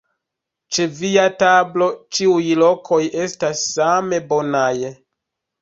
Ĉe via tablo ĉiuj lokoj estas same bonaj!